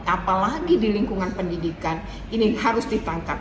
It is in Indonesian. apalagi di lingkungan pendidikan ini harus ditangkap